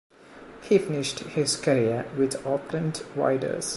He finished his career with the Oakland Raiders.